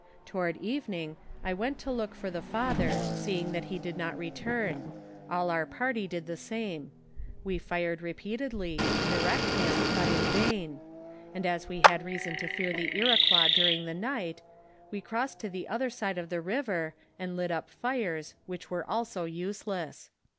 To ward evening I went to look for the father seeing that he did not return; all our party did the same; we fired repeatedly, to direct him, but in vain ; and as we had reason to fear the Iroquois during the night, we crossed to the other side of the river and lit up fires which were also useless.